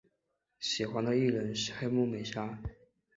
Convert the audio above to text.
喜欢的艺人是黑木美纱。